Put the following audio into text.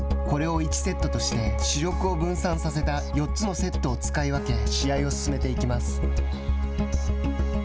これを１セットとして主力を分散させた４つのセットを使い分け試合を進めます。